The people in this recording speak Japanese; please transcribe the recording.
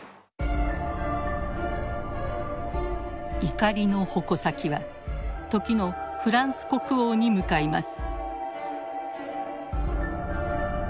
怒りの矛先は時のフランス国王に向かいます。